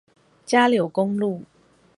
嘉柳公路